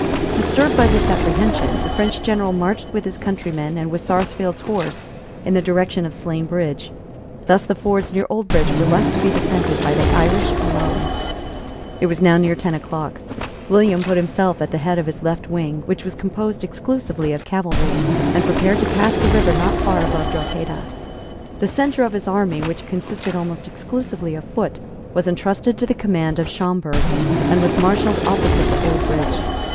Disturbed by this apprehension, the French general marched with his countrymen and with Sarsfield's horse in the direction of Slane Bridge. Thus the fords near Oldbridge were left to be defended by the Irish alone. It was now near ten o'clock. William put himself at the head of his left wing, which was composed exclusively of cavalry, and prepared to pass the river not far above Drogheda. The centre of his army, which consisted almost exclusively of foot, was entrusted to the command of Schomberg, and was marshalled opposite to Oldbridge.